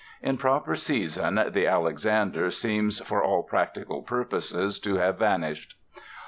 In proper season the "Alexander" seems for all practical purposes to have vanished.